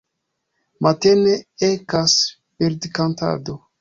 Matene ekas birdkantado.